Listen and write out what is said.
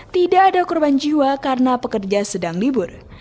tidak ada korban jiwa karena pekerja sedang libur